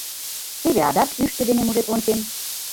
Теве адак ӱштӧ дене мужед ончем.